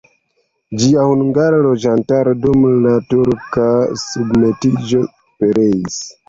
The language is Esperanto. Ĝia hungara loĝantaro dum la turka submetiĝo pereis.